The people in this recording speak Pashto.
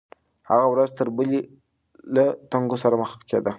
هغه ورځ تر بلې له تنګو سره مخ کېده.